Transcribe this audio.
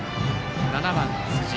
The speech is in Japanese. ７番、辻。